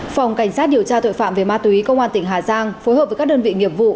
phòng cảnh sát điều tra tội phạm về ma túy công an tỉnh hà giang phối hợp với các đơn vị nghiệp vụ